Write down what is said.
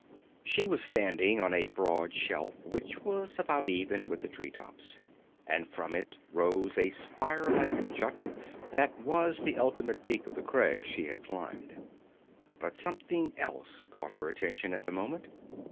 She was standing on a broad shelf which was about even with the tree tops, and from it rose a spire like jut that was the ultimate peak of the crag she had climbed. But something else caught her attention at the moment.